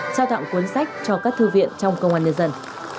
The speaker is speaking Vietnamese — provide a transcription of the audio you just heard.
trao tặng cuốn sách cho các thư viện trong công an nhân dân